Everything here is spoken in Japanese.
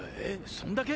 そんだけ？